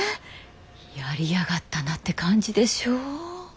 やりやがったなって感じでしょ？